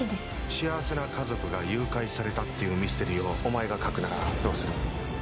幸せな家族が誘拐されたっていうミステリーをお前が書くならどうする？